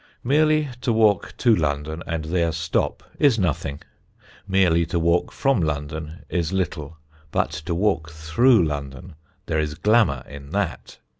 Merely to walk to London and there stop is nothing; merely to walk from London is little; but to walk through London ... there is glamour in that!